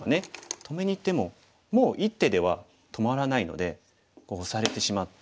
止めにいってももう１手では止まらないのでオサれてしまって。